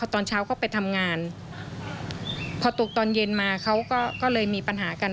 ตอนเช้าก็ไปทำงานพอตกตอนเย็นมาเขาก็เลยมีปัญหากัน